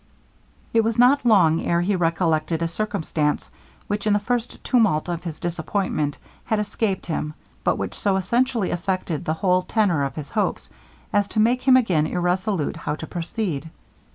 It was not long ere he recollected a circumstance which, in the first tumult of his disappointment, had escaped him, but which so essentially affected the whole tenour of his hopes, as to make him again irresolute how to proceed.